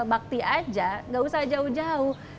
bakti aja gak usah jauh jauh